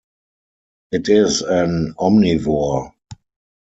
It is an omnivore.